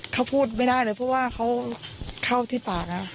เขาพูดไม่ได้เลยเพราะว่าเขาเข้าที่ปากนะ